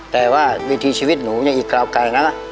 แต่ว่าวิธีชีวิตหนูยังอีกกราวไกลนะ